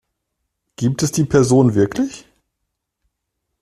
Gibt es die Person wirklich?